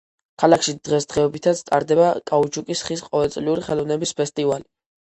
ქალაქში დღესდღეობითაც ტარდება კაუჩუკის ხის ყოველწლიური ხელოვნების ფესტივალი.